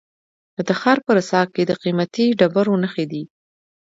د تخار په رستاق کې د قیمتي ډبرو نښې دي.